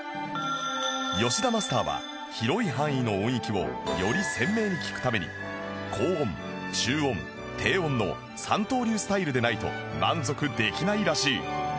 吉田マスターは広い範囲の音域をより鮮明に聴くために高音中音低音の三刀流スタイルでないと満足できないらしい